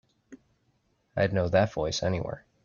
I'd know that voice anywhere.